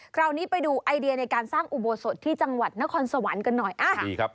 คราวนี้ไปดูไอเดียในการสร้างอุโบสถที่จังหวัดนครสวรรค์กันหน่อยอ่าดีครับ